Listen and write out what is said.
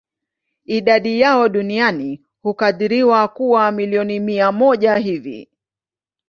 Idadi yao duniani hukadiriwa kuwa milioni mia moja hivi.